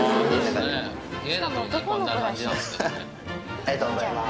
ありがとうございます。